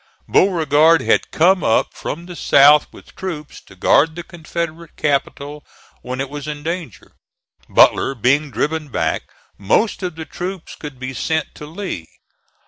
Beauregard had come up from the south with troops to guard the Confederate capital when it was in danger. Butler being driven back, most of the troops could be sent to Lee.